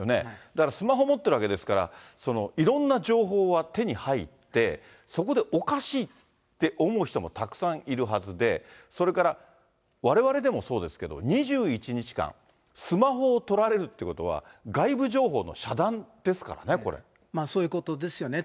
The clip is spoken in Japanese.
だからスマホ持ってるわけですから、いろんな情報は手に入って、そこでおかしいって思う人もたくさんいるはずで、それからわれわれでもそうですけれども、２１日間、スマホを取られるってことは、外部情報の遮断ですからね、そういうことですよね。